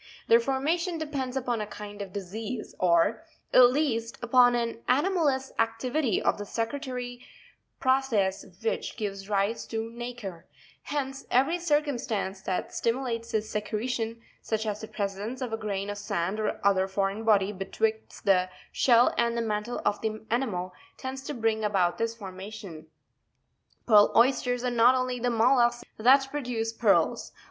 Their for mation depends upon a kind of disease, or, at least, upon an anomalous activity of the secretory process which gives rise to nacre: hence every circumstance that stimulates this secretion, such as the presence of a grain of sand or other foreign body betwixt the shell and the mantle of the animal, tends to bring about this formation. Pearl Oysters are not the only mollusks that produce pearls.